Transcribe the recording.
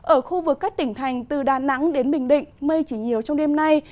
ở khu vực các tỉnh thành từ đà nẵng đến bình định mây chỉ nhiều trong đêm nay